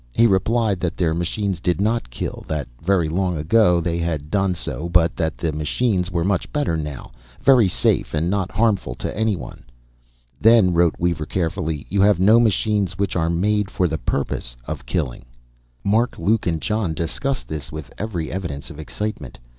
He replied that their machines did not kill, that very long ago they had done so but that the machines were much better now, very safe and not harmful to anyone. "Then," wrote Weaver carefully, "you have no machines which are made for the purpose of killing?" Mark, Luke and John discussed this with every evidence of excitement.